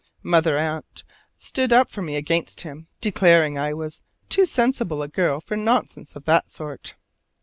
Mother Aunt stood up for me against him, declaring I was "too sensible a girl for nonsense of that sort."